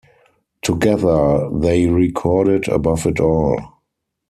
Together they recorded "Above It All".